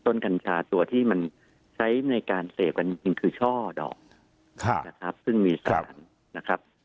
กัญชาตัวที่มันใช้ในการเสพกันจริงคือช่อดอกนะครับซึ่งมีสารนะครับ